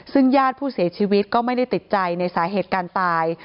ซึ่งญาติผู้เสียชีวิตก็ไม่ได้ติดใจในสาเหตุการตาย